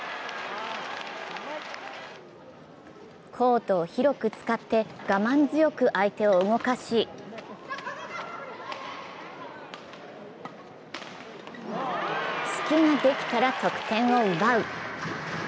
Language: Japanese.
コートを広く使って我慢強く相手を動かし隙ができたら得点を奪う。